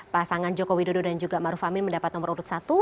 pasangan joko widodo dan juga maruf amin mendapat nomor urut satu